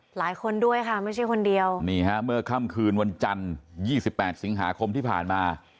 หลายคนด้วยค่ะไม่ใช่คนเดียวนี่ฮะเมื่อค่ำคืนวันจันทร์๒๘สิงหาคมที่ผ่านมา